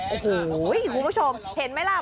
อุ้โหคุณผู้ชมเห็นมั้ยเหล้า